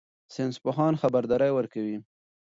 ساینس پوهان خبرداری ورکوي.